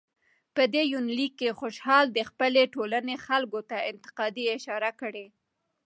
په دې يونليک کې خوشحال د خپلې ټولنې خلکو ته انتقادي اشاره کړى